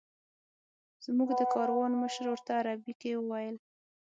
زموږ د کاروان مشر ورته عربي کې وویل.